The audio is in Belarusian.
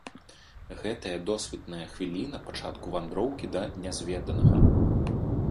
Гэтая досвітная хвіліна пачатку вандроўкі да нязведанага!